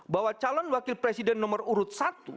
bahwa calon wakil presiden nomor urut satu